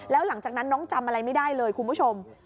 แล้วหลังจากนั้นน้องจำอะไรไม่ได้เลยคุณผู้ชม